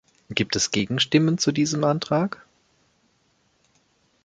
Gibt es Gegenstimmen zu diesem Antrag?